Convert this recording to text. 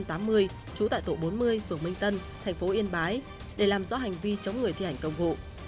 trú tại tổ bốn mươi phường minh tân thành phố yên bái để làm rõ hành vi chống người thi hành công vụ